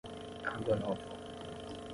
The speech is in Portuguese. Água Nova